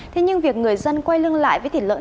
thế nhưng việc người dân quay lưng lại với thịt lợn